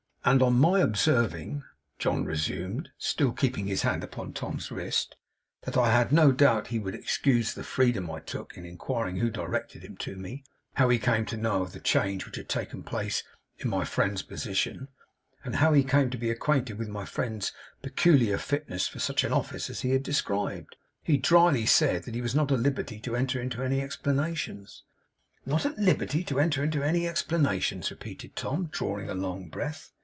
'And on my observing,' John resumed, still keeping his hand upon Tom's wrist, 'that I had no doubt he would excuse the freedom I took in inquiring who directed him to me; how he came to know of the change which had taken place in my friend's position; and how he came to be acquainted with my friend's peculiar fitness for such an office as he had described; he drily said that he was not at liberty to enter into any explanations.' 'Not at liberty to enter into any explanations!' repeated Tom, drawing a long breath.